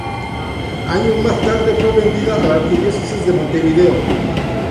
Años mas tarde fue vendida a la Arquidiócesis de Montevideo.